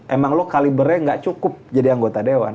emang lo kalibernya gak cukup jadi anggota dewan